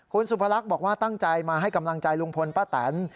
คุณสุพรรคบอกว่าตั้งใจมาให้กำลังใจลุงพลป้าแตน